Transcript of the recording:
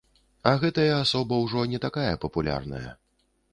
А гэтая асоба ўжо не такая папулярная.